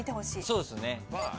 そうですね。